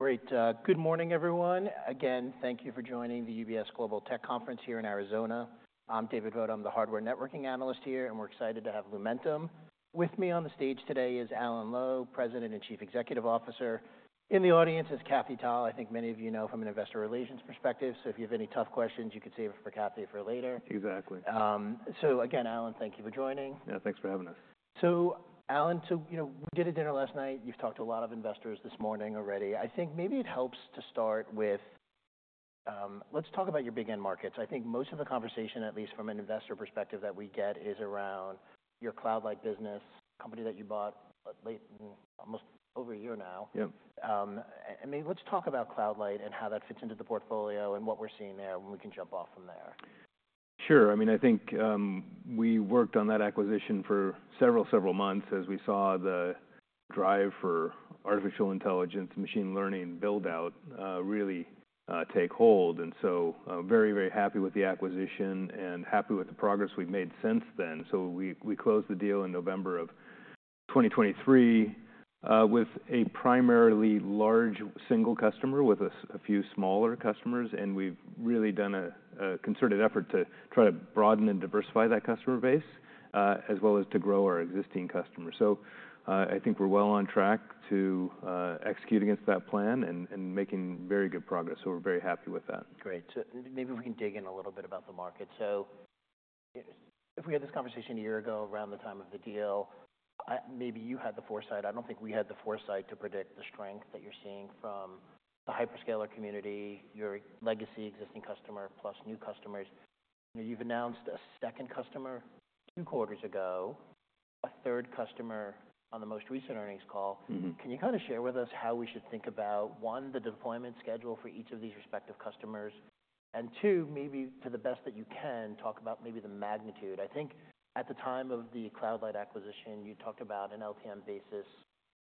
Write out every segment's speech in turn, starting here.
Great. Good morning, everyone. Again, thank you for joining the UBS Global Tech Conference here in Arizona. I'm David Vogt. I'm the hardware networking analyst here, and we're excited to have Lumentum. With me on the stage today is Alan Lowe, President and Chief Executive Officer. In the audience is Kathy Ta. I think many of you know from an investor relations perspective, so if you have any tough questions, you could save them for Kathy for later. Exactly. So again, Alan, thank you for joining. Yeah, thanks for having us. So, Alan, so we did a dinner last night. You've talked to a lot of investors this morning already. I think maybe it helps to start with, let's talk about your big end markets. I think most of the conversation, at least from an investor perspective that we get, is around your Cloud Light business, company that you bought almost over a year now. Yeah. Maybe let's talk about Cloud Light and how that fits into the portfolio and what we're seeing there, and we can jump off from there. Sure. I mean, I think we worked on that acquisition for several months as we saw the drive for artificial intelligence, machine learning build-out really take hold. And so very happy with the acquisition and happy with the progress we've made since then. So we closed the deal in November of 2023 with a primarily large single customer, with a few smaller customers. And we've really done a concerted effort to try to broaden and diversify that customer base, as well as to grow our existing customers. So I think we're well on track to execute against that plan and making very good progress. So we're very happy with that. Great. So maybe we can dig in a little bit about the market. So if we had this conversation a year ago around the time of the deal, maybe you had the foresight. I don't think we had the foresight to predict the strength that you're seeing from the hyperscaler community, your legacy existing customer, plus new customers. You've announced a second customer two quarters ago, a third customer on the most recent earnings call. Can you kind of share with us how we should think about, one, the deployment schedule for each of these respective customers? And two, maybe to the best that you can, talk about maybe the magnitude. I think at the time of the Cloud Light acquisition, you talked about an LTM basis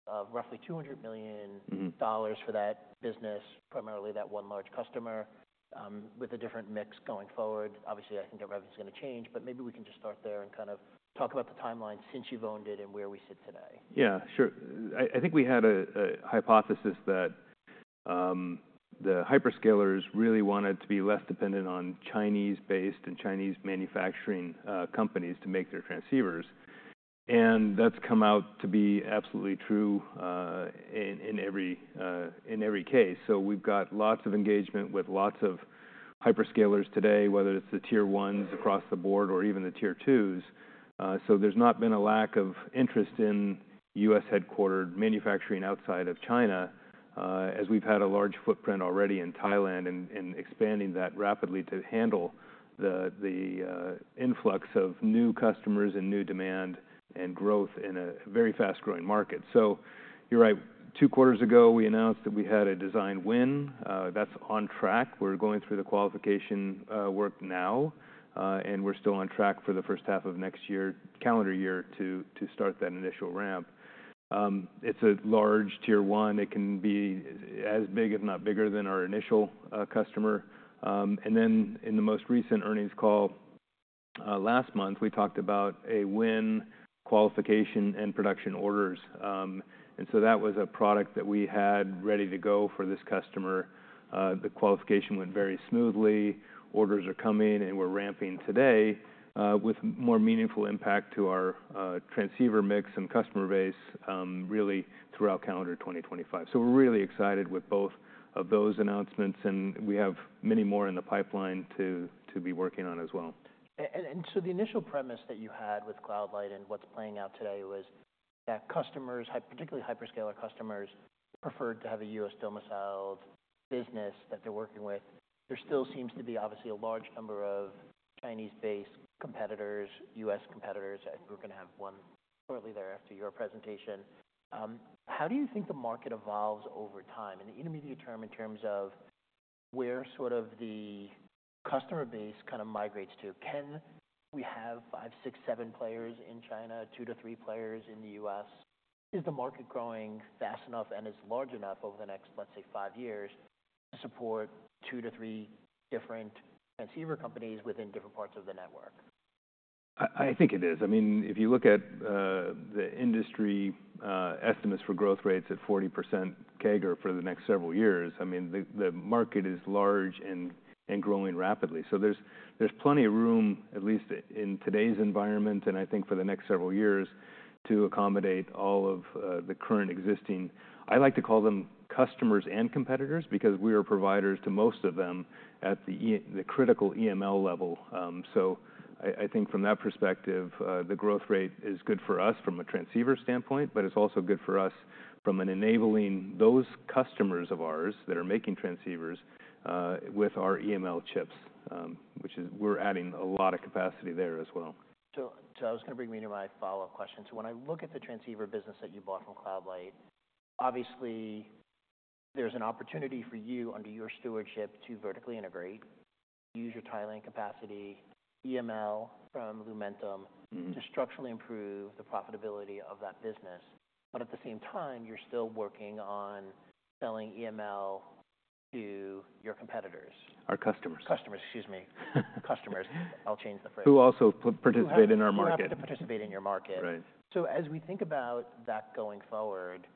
of roughly $200 million for that business, primarily that one large customer, with a different mix going forward. Obviously, I think everything's going to change, but maybe we can just start there and kind of talk about the timeline since you've owned it and where we sit today. Yeah, sure. I think we had a hypothesis that the hyperscalers really wanted to be less dependent on Chinese-based and Chinese manufacturing companies to make their transceivers, and that's come out to be absolutely true in every case, so we've got lots of engagement with lots of hyperscalers today, whether it's the Tier 1 across the board or even the Tier 2s, so there's not been a lack of interest in U.S.-headquartered manufacturing outside of China, as we've had a large footprint already in Thailand and expanding that rapidly to handle the influx of new customers and new demand and growth in a very fast-growing market, so you're right. Two quarters ago, we announced that we had a design win. That's on track. We're going through the qualification work now, and we're still on track for the 1st half of next calendar year to start that initial ramp. It's a large tier one. It can be as big, if not bigger, than our initial customer. And then in the most recent earnings call last month, we talked about a win qualification and production orders. And so that was a product that we had ready to go for this customer. The qualification went very smoothly. Orders are coming, and we're ramping today with more meaningful impact to our transceiver mix and customer base really throughout calendar 2025. So we're really excited with both of those announcements, and we have many more in the pipeline to be working on as well. And so the initial premise that you had with Cloud Light and what's playing out today was that customers, particularly hyperscaler customers, preferred to have a US-domiciled business that they're working with. There still seems to be, obviously, a large number of Chinese-based competitors, US competitors. I think we're going to have one shortly thereafter your presentation. How do you think the market evolves over time in the intermediate term in terms of where sort of the customer base kind of migrates to? Can we have five, six, seven players in China, two to three players in the U.S.? Is the market growing fast enough and is large enough over the next, let's say, five years to support 2-3 different transceiver companies within different parts of the network? I think it is. I mean, if you look at the industry estimates for growth rates at 40% CAGR for the next several years, I mean, the market is large and growing rapidly. So there's plenty of room, at least in today's environment, and I think for the next several years to accommodate all of the current existing, I like to call them customers and competitors because we are providers to most of them at the critical EML level. So I think from that perspective, the growth rate is good for us from a transceiver standpoint, but it's also good for us from enabling those customers of ours that are making transceivers with our EML chips, which is we're adding a lot of capacity there as well. I was going to bring you into my follow-up question. When I look at the transceiver business that you bought from Cloud Light, obviously, there's an opportunity for you under your stewardship to vertically integrate, use your Thailand capacity, EML from Lumentum to structurally improve the profitability of that business. But at the same time, you're still working on selling EML to your competitors. Our customers. Customers, excuse me. Customers. I'll change the phrase. Who also participate in our market. Who also participate in your market? Right. So as we think about that going forward,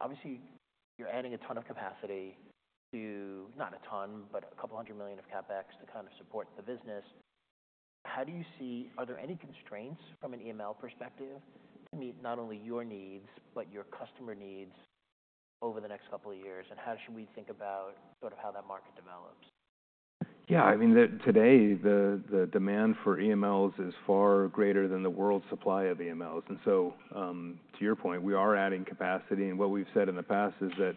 obviously, you're adding a ton of capacity to not a ton, but $200 million of CapEx to kind of support the business. How do you see, are there any constraints from an EML perspective to meet not only your needs, but your customer needs over the next couple of years? And how should we think about sort of how that market develops? Yeah. I mean, today, the demand for EMLs is far greater than the world supply of EMLs. And so to your point, we are adding capacity. And what we've said in the past is that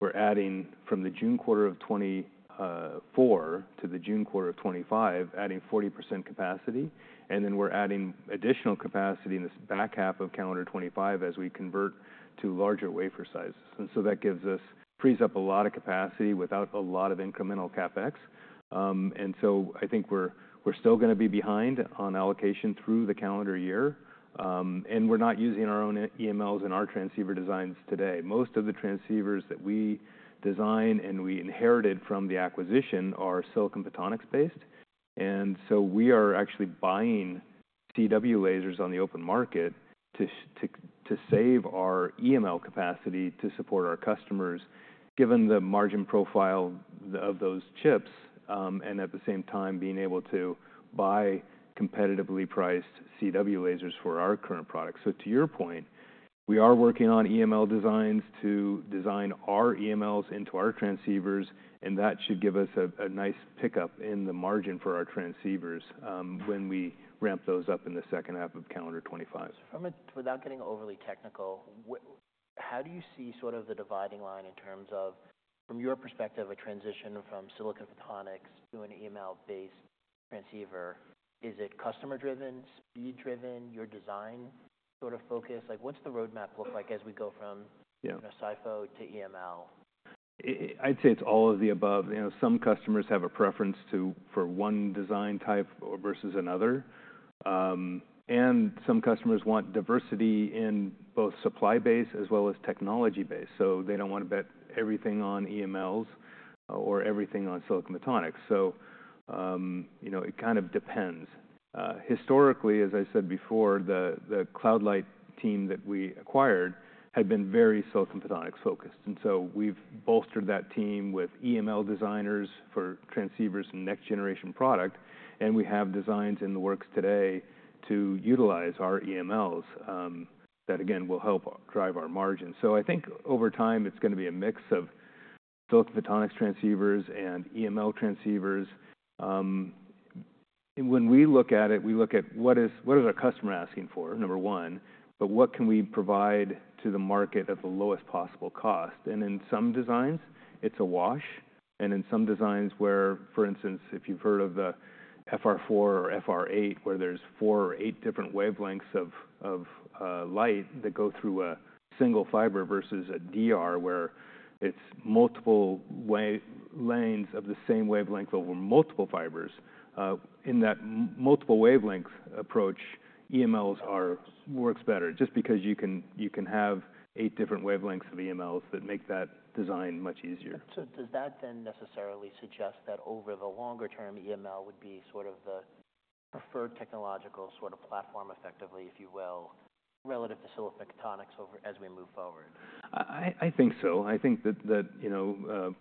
we're adding from the June quarter of 2024 to the June quarter of 2025, adding 40% capacity. And then we're adding additional capacity in this back half of calendar 2025 as we convert to larger wafer sizes. And so that gives us, frees up a lot of capacity without a lot of incremental CapEx. And so I think we're still going to be behind on allocation through the calendar year. And we're not using our own EMLs in our transceiver designs today. Most of the transceivers that we design and we inherited from the acquisition are silicon photonics based. And so we are actually buying CW lasers on the open market to save our EML capacity to support our customers, given the margin profile of those chips, and at the same time, being able to buy competitively priced CW lasers for our current product. So to your point, we are working on EML designs to design our EMLs into our transceivers, and that should give us a nice pickup in the margin for our transceivers when we ramp those up in the 2nd half of calendar 2025. So from it, without getting overly technical, how do you see sort of the dividing line in terms of, from your perspective, a transition from silicon photonics to an EML-based transceiver? Is it customer-driven, speed-driven, your design sort of focus? What's the roadmap look like as we go from SiPho to EML? I'd say it's all of the above. Some customers have a preference for one design type versus another. And some customers want diversity in both supply base as well as technology base. So they don't want to bet everything on EMLs or everything on silicon photonics. So it kind of depends. Historically, as I said before, the Cloud Light team that we acquired had been very silicon photonics focused. And so we've bolstered that team with EML designers for transceivers and next-generation product. And we have designs in the works today to utilize our EMLs that, again, will help drive our margins. So I think over time, it's going to be a mix of silicon photonics transceivers and EML transceivers. When we look at it, we look at what is our customer asking for, number one, but what can we provide to the market at the lowest possible cost? And in some designs, it's a wash. And in some designs where, for instance, if you've heard of the FR4 or FR8, where there's four or eight different wavelengths of light that go through a single fiber versus a DR, where it's multiple lanes of the same wavelength over multiple fibers. In that multiple wavelength approach, EMLs work better just because you can have eight different wavelengths of EMLs that make that design much easier. So does that then necessarily suggest that over the longer term, EML would be sort of the preferred technological sort of platform, effectively, if you will, relative to silicon photonics as we move forward? I think so. I think that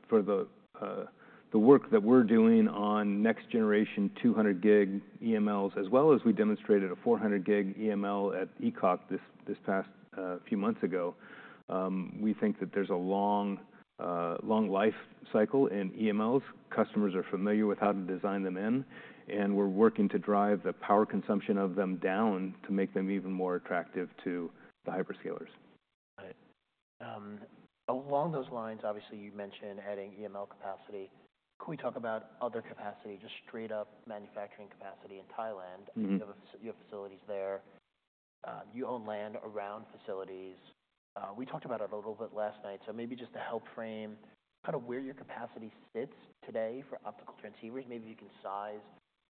for the work that we're doing on next-generation 200G EMLs, as well as we demonstrated a 400G EML at ECOC this past few months ago, we think that there's a long life cycle in EMLs. Customers are familiar with how to design them in. And we're working to drive the power consumption of them down to make them even more attractive to the hyperscalers. Got it. Along those lines, obviously, you mentioned adding EML capacity. Can we talk about other capacity, just straight-up manufacturing capacity in Thailand? You have facilities there. You own land around facilities. We talked about it a little bit last night. So maybe just to help frame kind of where your capacity sits today for optical transceivers, maybe if you can size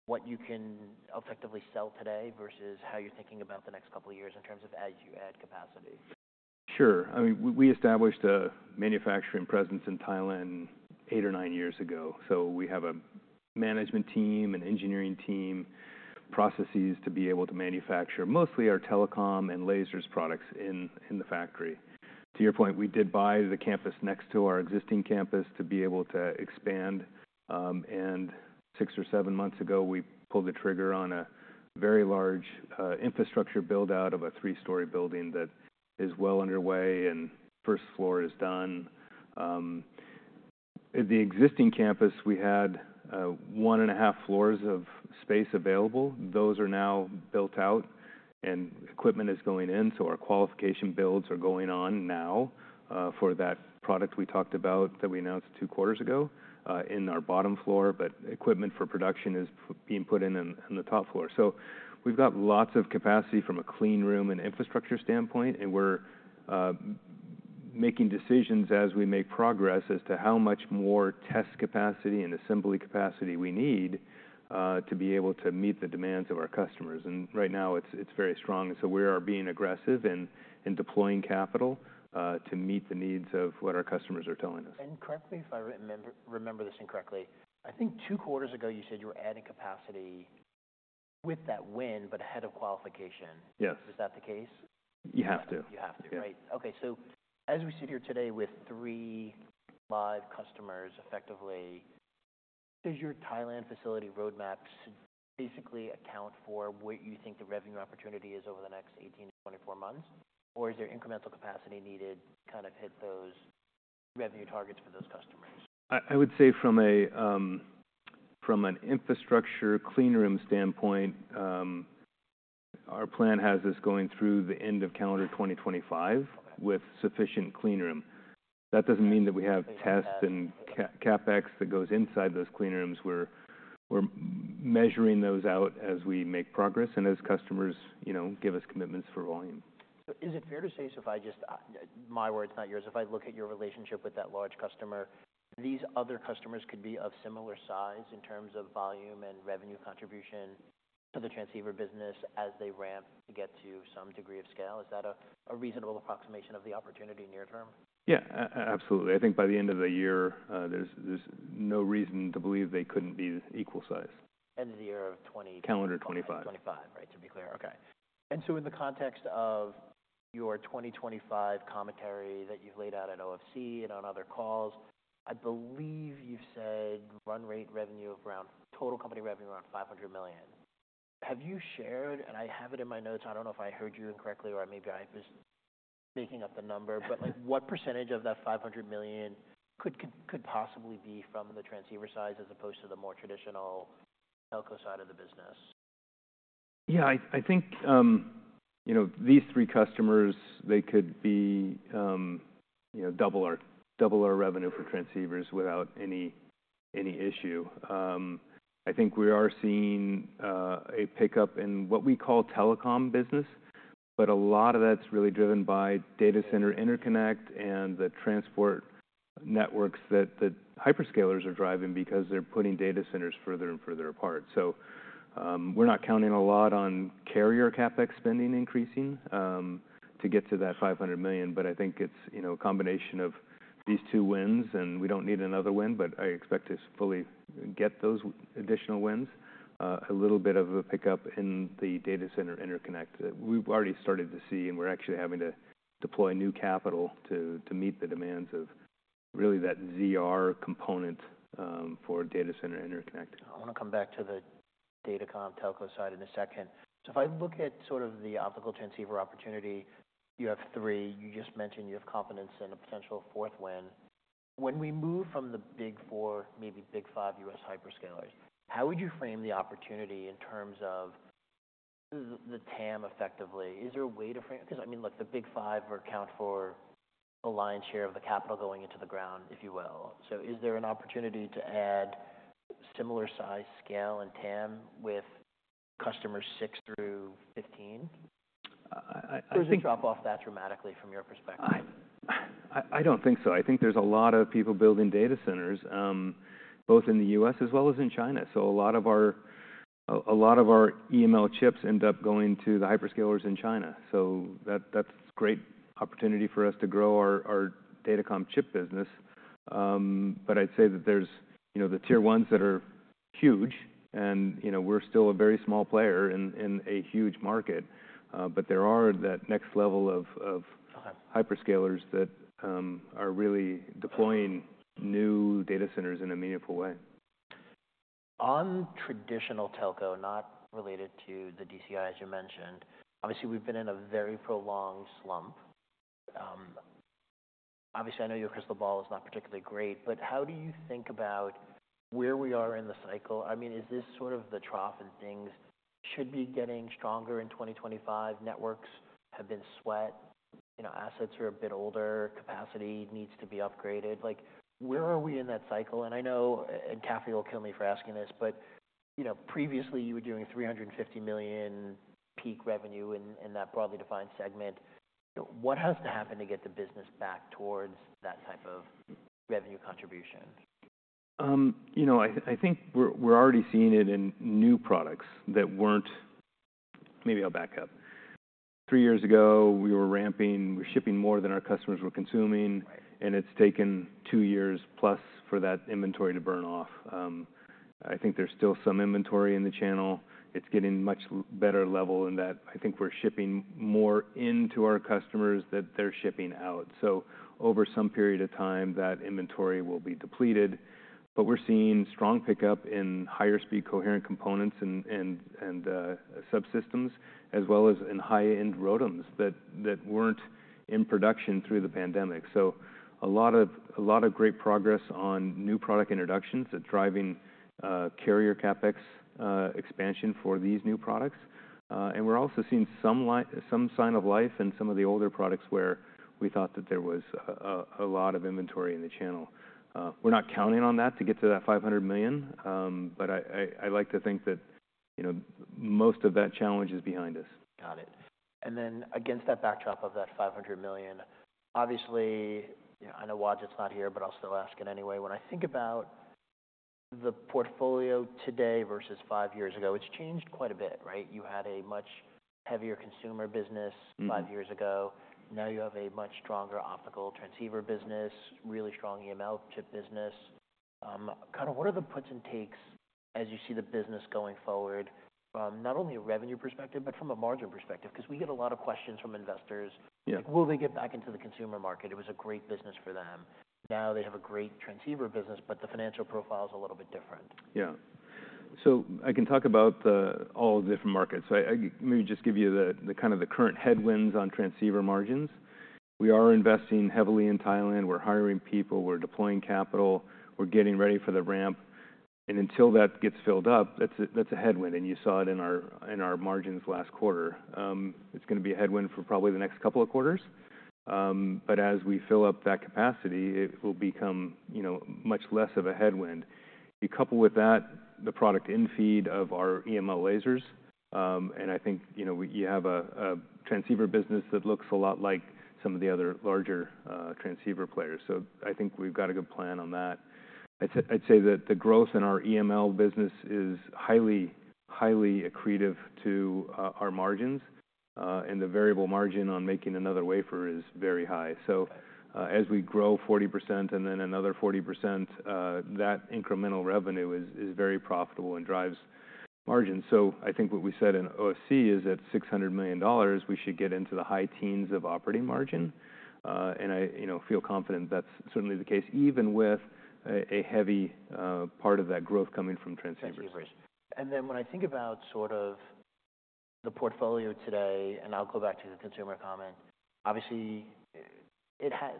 what you can effectively sell today versus how you're thinking about the next couple of years in terms of as you add capacity. Sure. I mean, we established a manufacturing presence in Thailand eight or nine years ago. So we have a management team, an engineering team, processes to be able to manufacture mostly our telecom and lasers products in the factory. To your point, we did buy the campus next to our existing campus to be able to expand, and six or seven months ago, we pulled the trigger on a very large infrastructure build-out of a three-story building that is well underway, and first floor is done. The existing campus, we had one and a half floors of space available. Those are now built out, and equipment is going in, so our qualification builds are going on now for that product we talked about that we announced two quarters ago in our bottom floor, but equipment for production is being put in in the top floor. So we've got lots of capacity from a clean room and infrastructure standpoint. And we're making decisions as we make progress as to how much more test capacity and assembly capacity we need to be able to meet the demands of our customers. And right now, it's very strong. And so we are being aggressive in deploying capital to meet the needs of what our customers are telling us. Correct me if I remember this incorrectly. I think two quarters ago, you said you were adding capacity with that win, but ahead of qualification. Yes. Is that the case? You have to. You have to, right? Okay. So as we sit here today with three live customers effectively, does your Thailand facility roadmap basically account for what you think the revenue opportunity is over the next 18-24 months? Or is there incremental capacity needed to kind of hit those revenue targets for those customers? I would say from an infrastructure clean room standpoint, our plan has us going through the end of calendar 2025 with sufficient clean room. That doesn't mean that we have tests and CapEx that goes inside those clean rooms. We're measuring those out as we make progress and as customers give us commitments for volume. So is it fair to say, so if I use my words, not yours, if I look at your relationship with that large customer, these other customers could be of similar size in terms of volume and revenue contribution to the transceiver business as they ramp to get to some degree of scale? Is that a reasonable approximation of the opportunity near term? Yeah, absolutely. I think by the end of the year, there's no reason to believe they couldn't be equal size. End of the year of 2020. Calendar 2025. 2025, right? To be clear. Okay. And so in the context of your 2025 commentary that you've laid out at OFC and on other calls, I believe you've said run rate revenue of around total company revenue around $500 million. Have you shared, and I have it in my notes, I don't know if I heard you incorrectly or maybe I was making up the number, but what percentage of that $500 million could possibly be from the transceiver side as opposed to the more traditional telco side of the business? Yeah. I think these three customers, they could be double our revenue for transceivers without any issue. I think we are seeing a pickup in what we call telecom business, but a lot of that's really driven by data center interconnect and the transport networks that hyperscalers are driving because they're putting data centers further and further apart. So we're not counting a lot on carrier CapEx spending increasing to get to that $500 million. But I think it's a combination of these two wins, and we don't need another win, but I expect to fully get those additional wins, a little bit of a pickup in the data center interconnect. We've already started to see, and we're actually having to deploy new capital to meet the demands of really that ZR component for data center interconnect. I want to come back to the Datacom telco side in a second. So if I look at sort of the optical transceiver opportunity, you have three. You just mentioned you have confidence in a potential fourth win. When we move from the Big 4, maybe big five U.S. hyperscalers, how would you frame the opportunity in terms of the TAM effectively? Is there a way to frame it? Because I mean, look, the Big 5 account for the lion's share of the capital going into the ground, if you will. So is there an opportunity to add similar size scale and TAM with customers 6 through 15? Or does it drop off that dramatically from your perspective? I don't think so. I think there's a lot of people building data centers, both in the U.S. as well as in China. So a lot of our EML chips end up going to the hyperscalers in China. So that's a great opportunity for us to grow our Datacom chip business. But I'd say that there's the tier ones that are huge, and we're still a very small player in a huge market. But there are that next level of hyperscalers that are really deploying new data centers in a meaningful way. On traditional telco, not related to the DCI, as you mentioned, obviously, we've been in a very prolonged slump. Obviously, I know your crystal ball is not particularly great, but how do you think about where we are in the cycle? I mean, is this sort of the trough and things should be getting stronger in 2025? Networks have been swept. Assets are a bit older. Capacity needs to be upgraded. Where are we in that cycle? And I know, and Kathy will kill me for asking this, but previously, you were doing $350 million peak revenue in that broadly defined segment. What has to happen to get the business back towards that type of revenue contribution? I think we're already seeing it in new products that weren't. Maybe I'll back up. Three years ago, we were ramping. We were shipping more than our customers were consuming, and it's taken two years plus for that inventory to burn off. I think there's still some inventory in the channel. It's getting much better level in that I think we're shipping more into our customers than they're shipping out, so over some period of time, that inventory will be depleted, but we're seeing strong pickup in higher speed coherent components and sub-systems, as well as in high-end ROADMs that weren't in production through the pandemic, so a lot of great progress on new product introductions that are driving carrier CapEx expansion for these new products. And we're also seeing some sign of life in some of the older products where we thought that there was a lot of inventory in the channel. We're not counting on that to get to that $500 million. But I like to think that most of that challenge is behind us. Got it. And then against that backdrop of that $500 million, obviously, I know Wajid's not here, but I'll still ask it anyway. When I think about the portfolio today versus five years ago, it's changed quite a bit, right? You had a much heavier consumer business five years ago. Now you have a much stronger optical transceiver business, really strong EML chip business. Kind of what are the puts and takes as you see the business going forward, not only a revenue perspective, but from a margin perspective? Because we get a lot of questions from investors. Will they get back into the consumer market? It was a great business for them. Now they have a great transceiver business, but the financial profile is a little bit different. Yeah. So I can talk about all the different markets. So I maybe just give you kind of the current headwinds on transceiver margins. We are investing heavily in Thailand. We're hiring people. We're deploying capital. We're getting ready for the ramp. And until that gets filled up, that's a headwind. And you saw it in our margins last quarter. It's going to be a headwind for probably the next couple of quarters. But as we fill up that capacity, it will become much less of a headwind. You couple with that the product mix of our EML lasers. And I think you have a transceiver business that looks a lot like some of the other larger transceiver players. So I think we've got a good plan on that. I'd say that the growth in our EML business is highly accretive to our margins. The variable margin on making another wafer is very high. So as we grow 40% and then another 40%, that incremental revenue is very profitable and drives margins. So I think what we said in OFC is at $600 million, we should get into the high teens of operating margin. I feel confident that's certainly the case, even with a heavy part of that growth coming from transceivers. Transceivers. And then when I think about sort of the portfolio today, and I'll go back to the consumer comment, obviously,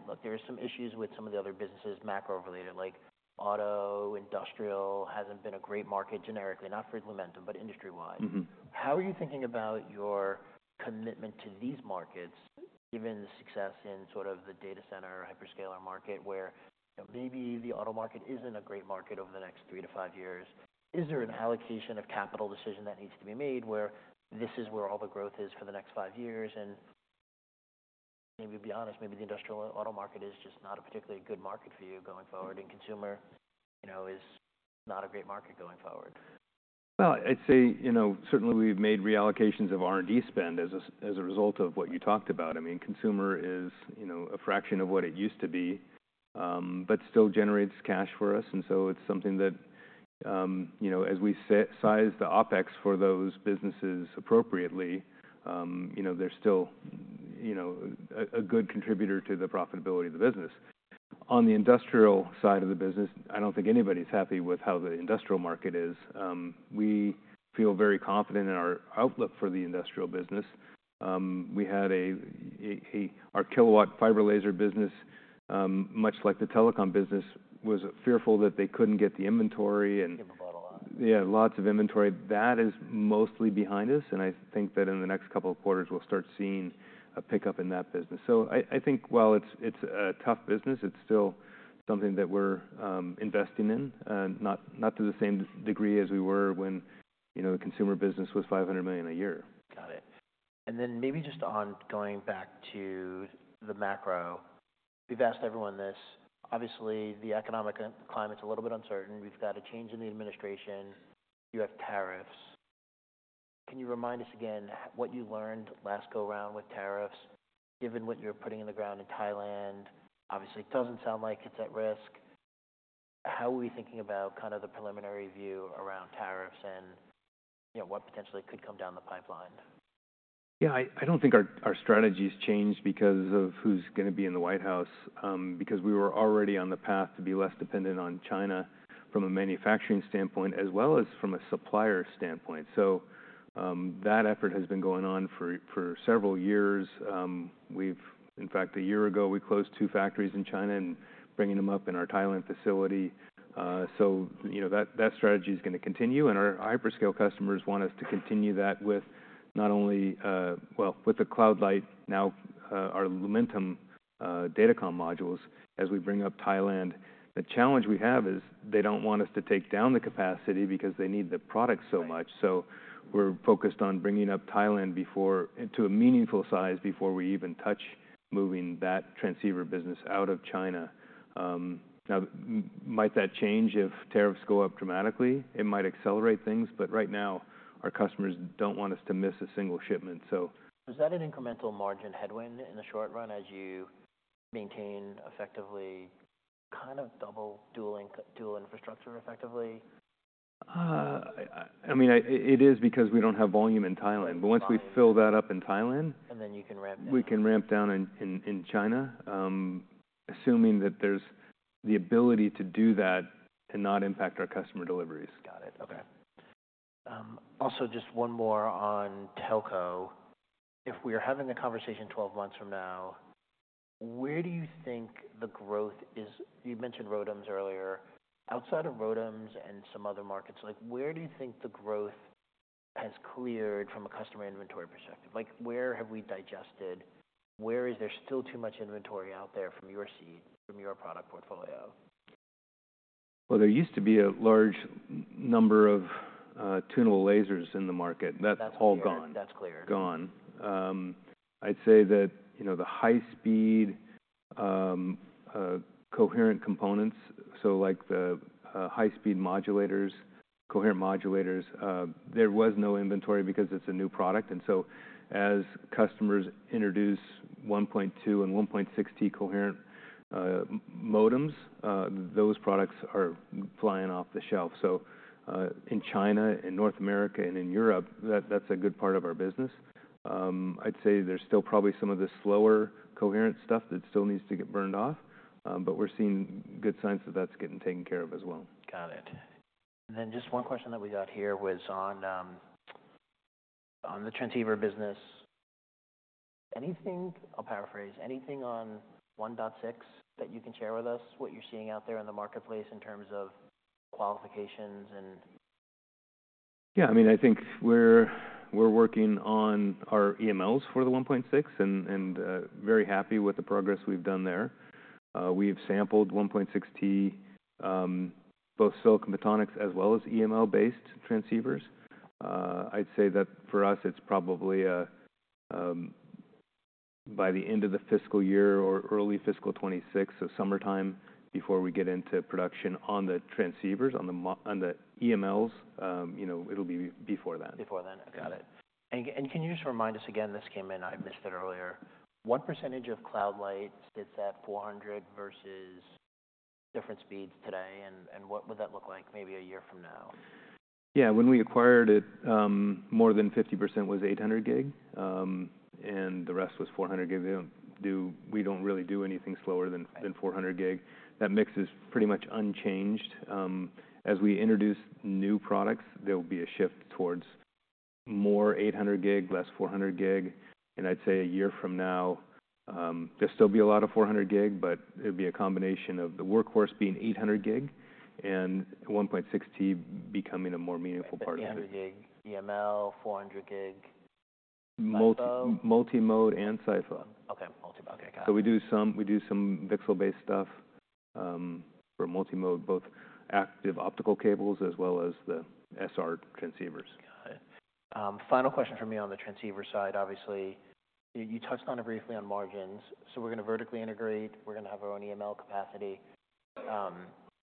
look, there are some issues with some of the other businesses macro related, like auto, industrial hasn't been a great market generically, not for Lumentum, but industry-wide. How are you thinking about your commitment to these markets, given the success in sort of the data center hyperscaler market, where maybe the auto market isn't a great market over the next three to five years? Is there an allocation of capital decision that needs to be made where this is where all the growth is for the next five years? And maybe be honest, maybe the industrial auto market is just not a particularly good market for you going forward, and consumer is not a great market going forward. I'd say certainly we've made reallocations of R&D spend as a result of what you talked about. I mean, consumer is a fraction of what it used to be, but still generates cash for us. So it's something that as we size the OpEx for those businesses appropriately, they're still a good contributor to the profitability of the business. On the industrial side of the business, I don't think anybody's happy with how the industrial market is. We feel very confident in our outlook for the industrial business. We had our kilowatt fiber laser business, much like the telecom business, was fearful that they couldn't get the inventory and. People bought a lot. Yeah, lots of inventory. That is mostly behind us. And I think that in the next couple of quarters, we'll start seeing a pickup in that business. So I think while it's a tough business, it's still something that we're investing in, not to the same degree as we were when the consumer business was $500 million a year. Got it. And then maybe just on going back to the macro, we've asked everyone this. Obviously, the economic climate's a little bit uncertain. We've got a change in the administration. You have tariffs. Can you remind us again what you learned last go-around with tariffs, given what you're putting in the ground in Thailand? Obviously, it doesn't sound like it's at risk. How are we thinking about kind of the preliminary view around tariffs and what potentially could come down the pipeline? Yeah, I don't think our strategy's changed because of who's going to be in the White House, because we were already on the path to be less dependent on China from a manufacturing standpoint as well as from a supplier standpoint. So that effort has been going on for several years. In fact, a year ago, we closed two factories in China and bringing them up in our Thailand facility. So that strategy is going to continue. Our hyperscale customers want us to continue that with not only, well, with the Cloud Light, now our Lumentum Datacom modules. As we bring up Thailand, the challenge we have is they don't want us to take down the capacity because they need the product so much. So we're focused on bringing up Thailand to a meaningful size before we even touch moving that transceiver business out of China. Now, might that change if tariffs go up dramatically? It might accelerate things. But right now, our customers don't want us to miss a single shipment. So. Is that an incremental margin headwind in the short run as you maintain effectively kind of double dual infrastructure effectively? I mean, it is because we don't have volume in Thailand, but once we fill that up in Thailand. And then you can ramp down. We can ramp down in China, assuming that there's the ability to do that and not impact our customer deliveries. Got it. Okay. Also, just one more on telco. If we're having a conversation 12 months from now, where do you think the growth is? You mentioned ROADMs earlier. Outside of ROADMs and some other markets, where do you think the growth has cleared from a customer inventory perspective? Where have we digested? Where is there still too much inventory out there from your seat, from your product portfolio? There used to be a large number of tunable lasers in the market. That's all gone. That's clear. Gone. I'd say that the high-speed coherent components, so like the high-speed modulators, coherent modulators, there was no inventory because it's a new product. And so as customers introduce 1.2T and 1.6T coherent modems, those products are flying off the shelf. So in China, in North America, and in Europe, that's a good part of our business. I'd say there's still probably some of the slower coherent stuff that still needs to get burned off. But we're seeing good signs that that's getting taken care of as well. Got it. And then just one question that we got here was on the transceiver business. I'll paraphrase. Anything on 1.6T that you can share with us, what you're seeing out there in the marketplace in terms of qualifications and? Yeah. I mean, I think we're working on our EMLs for the 1.6T and very happy with the progress we've done there. We've sampled 1.6T, both silicon photonics as well as EML-based transceivers. I'd say that for us, it's probably by the end of the fiscal year or early fiscal 2026, so summertime, before we get into production on the transceivers, on the EMLs, it'll be before then. Before then. Got it. And can you just remind us again? This came in. I missed it earlier. What percentage of Cloud Light sits at 400G versus different speeds today? And what would that look like maybe a year from now? Yeah. When we acquired it, more than 50% was 800G, and the rest was 400G. We don't really do anything slower than 400G. That mix is pretty much unchanged. As we introduce new products, there will be a shift towards more 800G, less 400G, and I'd say a year from now, there'll be a lot of 400G, but it'll be a combination of the workhorse being 800G and 1.6T becoming a more meaningful part of it. 800G, EML, 400G. Multi-mode and SiPho. Okay. Multi-mode. Okay. Got it. So we do some VCSEL-based stuff for multi-mode, both active optical cables as well as the SR transceivers. Got it. Final question for me on the transceiver side. Obviously, you touched on it briefly on margins. So we're going to vertically integrate. We're going to have our own EML capacity.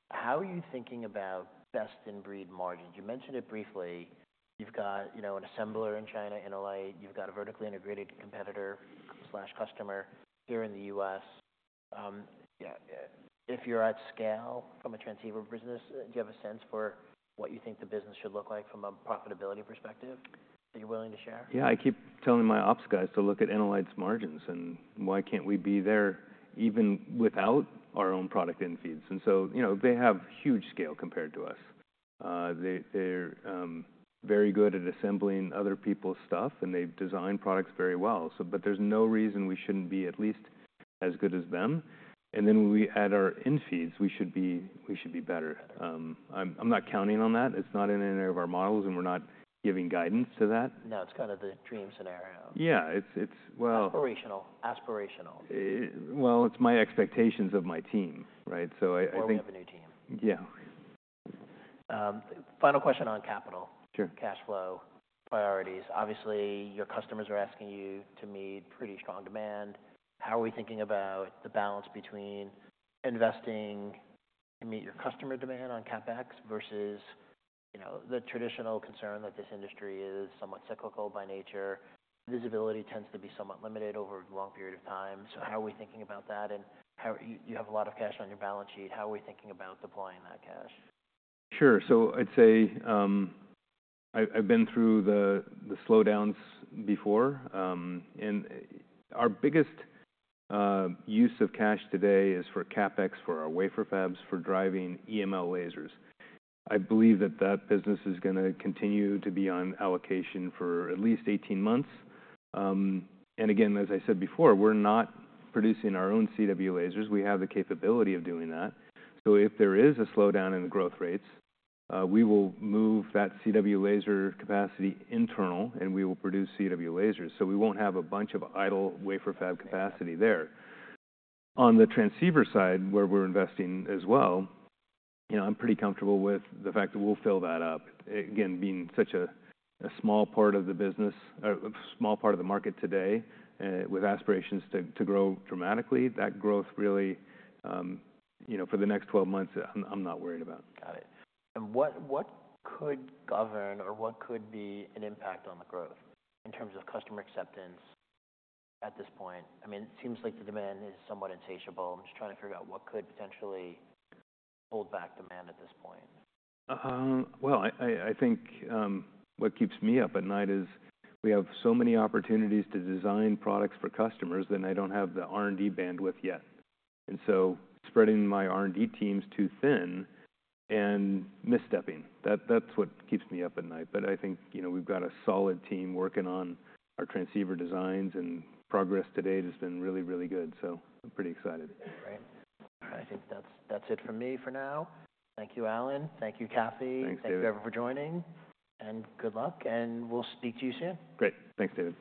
How are you thinking about best-in-breed margins? You mentioned it briefly. You've got an assembler in China, InnoLight. You've got a vertically integrated competitor/customer here in the U.S. If you're at scale from a transceiver business, do you have a sense for what you think the business should look like from a profitability perspective that you're willing to share? Yeah. I keep telling my ops guys to look at InnoLight's margins and why can't we be there, even without our own product in feeds, and so they have huge scale compared to us. They're very good at assembling other people's stuff, and they've designed products very well, but there's no reason we shouldn't be at least as good as them, and then when we add our in feeds, we should be better. I'm not counting on that. It's not in any of our models, and we're not giving guidance to that. No. It's kind of the dream scenario. Yeah. It's... well. Aspirational. Aspirational. Well, it's my expectations of my team, right? So I think. We have a new team. Yeah. Final question on capital, cash flow priorities. Obviously, your customers are asking you to meet pretty strong demand. How are we thinking about the balance between investing to meet your customer demand on CapEx versus the traditional concern that this industry is somewhat cyclical by nature? Visibility tends to be somewhat limited over a long period of time. So how are we thinking about that? And you have a lot of cash on your balance sheet. How are we thinking about deploying that cash? Sure. So I'd say I've been through the slowdowns before, and our biggest use of cash today is for CapEx for our wafer fabs for driving EML lasers. I believe that that business is going to continue to be on allocation for at least 18 months, and again, as I said before, we're not producing our own CW lasers. We have the capability of doing that, so if there is a slowdown in the growth rates, we will move that CW laser capacity internal, and we will produce CW lasers, so we won't have a bunch of idle wafer fab capacity there. On the transceiver side, where we're investing as well, I'm pretty comfortable with the fact that we'll fill that up. Again, being such a small part of the business, a small part of the market today, with aspirations to grow dramatically, that growth really for the next 12 months, I'm not worried about. Got it. And what could govern or what could be an impact on the growth in terms of customer acceptance at this point? I mean, it seems like the demand is somewhat insatiable. I'm just trying to figure out what could potentially hold back demand at this point. I think what keeps me up at night is we have so many opportunities to design products for customers that I don't have the R&D bandwidth yet, and so spreading my R&D teams too thin and misstepping. That's what keeps me up at night. I think we've got a solid team working on our transceiver designs, and progress to date has been really, really good. I'm pretty excited. Great. All right. I think that's it for me for now. Thank you, Alan. Thank you, Kathy. Thanks, David. Thank you, everyone, for joining, and good luck, and we'll speak to you soon. Great. Thanks, David.